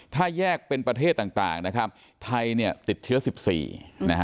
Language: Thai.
ถ้าแยกเป็นประเทศต่างนะครับไทยเนี่ยติดเชื้อสิบสี่นะฮะ